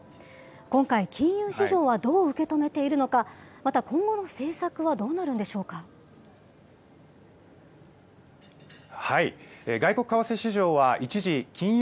今回、金融市場はどう受け止めているのか、また今後の政策はどう外国為替市場は一時、金融